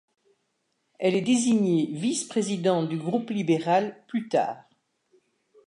Elle est désignée vice-présidente du groupe libéral plus tard.